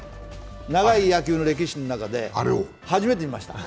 長い野球の歴史の中で初めて見ました。